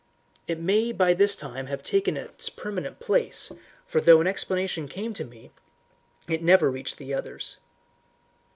It may by this time have taken its permanent place, for though an explanation came to me, it never reached the others.